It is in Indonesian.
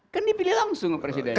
kan dipilih langsung presidennya